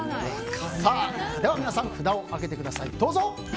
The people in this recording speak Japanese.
では皆さん、札を上げてください。